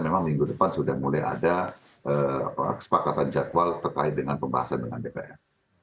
memang minggu depan sudah mulai ada kesepakatan jadwal terkait dengan pembahasan dengan dpr